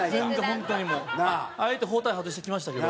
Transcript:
あえて包帯外してきましたけど。